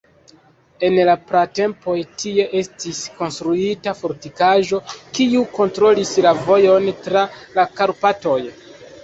En la pratempoj tie estis konstruita fortikaĵo, kiu kontrolis la vojon tra la Karpatoj.